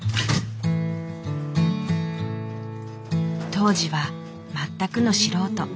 当時は全くの素人。